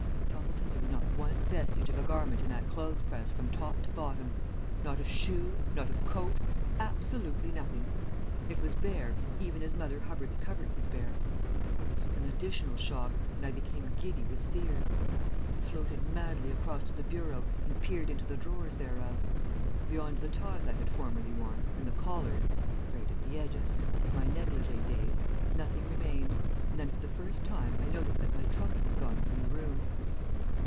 "Toppleton, there was not one vestige of a garment in that clothes press from top to bottom. Not a shoe, not a coat, absolutely nothing. It was bare even as Mother Hubbard's cupboard was bare. This was an additional shock, and I became giddy with fear. I floated madly across to the bureau and peered into the drawers thereof. Beyond the ties I had formerly worn and the collars, frayed at the edges, of my negligée days, nothing remained, and then for the first time I noticed that my trunk was gone from the room.